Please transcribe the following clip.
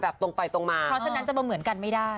ตรงไปตรงมาเพราะฉะนั้นจะมาเหมือนกันไม่ได้